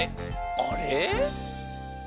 あれ？